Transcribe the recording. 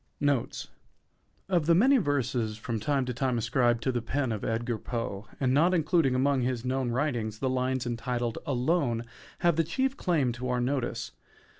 NOTES Of the many verses from time to time ascribed to the pen of Edgar Poe, and not included among his known writings, the lines entitled "Alone" have the chief claim to our notice.